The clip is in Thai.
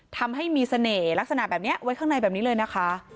ทำให้มีเสน่ห์ลักษณะแบบนี้ไว้ข้างในแบบนี้เลยนะคะ